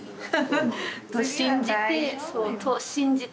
信じてそう信じて。